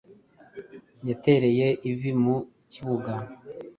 yatereye ivi mu kibuga